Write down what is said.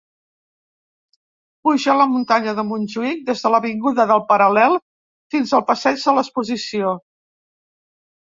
Puja la muntanya de Montjuïc des de l'avinguda del Paral·lel fins al passeig de l'Exposició.